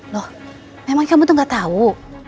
loh memang kamu tuh gak tau